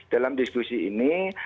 dalam diskusi ini